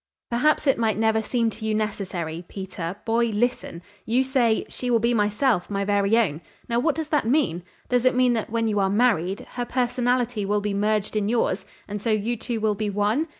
"Perhaps it might never seem to you necessary. Peter, boy, listen. You say: 'She will be myself my very own.' Now what does that mean? Does it mean that when you are married, her personality will be merged in yours, and so you two will be one?